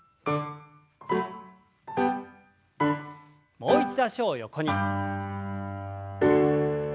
もう一度脚を横に。